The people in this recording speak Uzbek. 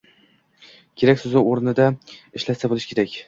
“Kerak” so‘zini o‘z o‘rnida ishlata bilish kerak.